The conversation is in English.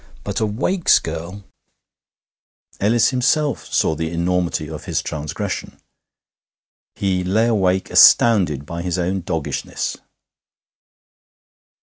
But a Wakes girl! Ellis himself saw the enormity of his transgression. He lay awake astounded by his own doggishness.